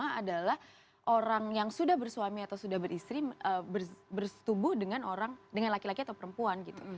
yang pertama adalah orang yang sudah bersuami atau sudah beristri bersetubuh dengan orang dengan laki laki atau perempuan gitu